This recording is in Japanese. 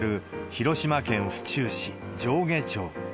広島県府中市上下町。